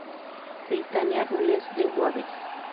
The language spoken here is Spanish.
Britannia Rules the Waves!